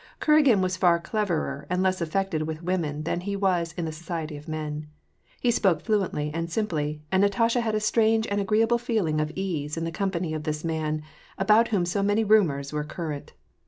Kuragin was far cleverer and less affected with women than be was in the society of men. He spoke fluently and simply, and Natasha had a strange and agreeable feeling of ease in the company of this man, about whom so many rumors were cur rent.